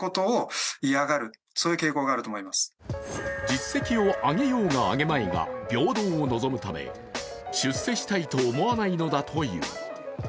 実績を上げようが上げまいが平等を望むため、出世したいと思わないのだという。